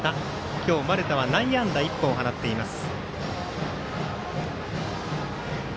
今日、丸田は内野安打１本を放っています。